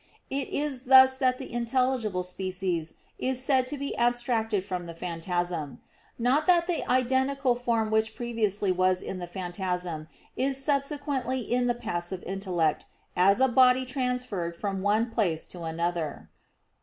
It is thus that the intelligible species is said to be abstracted from the phantasm; not that the identical form which previously was in the phantasm is subsequently in the passive intellect, as a body transferred from one place to another.